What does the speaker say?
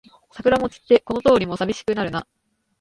桜も散ってこの通りもさびしくなるな